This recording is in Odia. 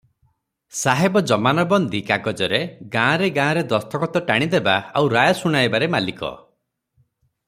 ସାହେବ ଜମାନବନ୍ଦୀ କାଗଜରେ ଗାଁରେ ଗାଁରେ ଦସ୍ତଖତ ଟାଣିଦେବା ଆଉ ରାୟ ଶୁବାଇବାରେ ମାଲିକ ।